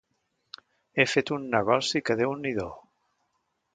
He fet un negoci que déu-n'hi-do!